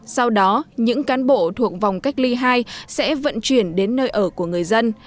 sau đó những cán bộ thuộc vòng cách ly hai sẽ vận chuyển đến nơi ở của người dân